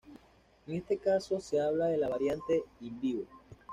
En este caso se habla de la "Variante "in vivo"".